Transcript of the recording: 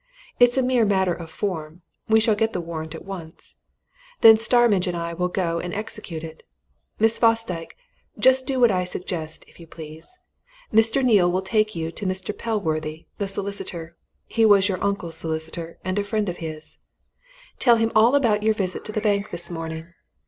It's a mere matter of form we shall get the warrant at once. Then Starmidge and I will go and execute it. Miss Fosdyke just do what I suggest, if you please. Mr. Neale will take you to Mr. Pellworthy, the solicitor he was your uncle's solicitor, and a friend of his. Tell him all about your visit to the bank this morning.